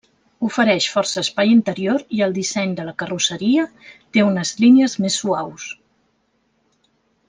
Ofereix força espai interior i el disseny de la carrosseria té unes línies més suaus.